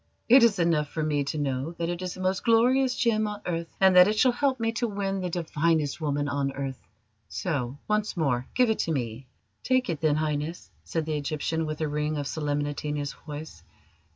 "It is enough for me to know that it is the most glorious gem on earth, and that it shall help me to win the divinest woman on earth. So, once more, give it to me!" "Take it, then, Highness," said the Egyptian, with a ring of solemnity in his voice.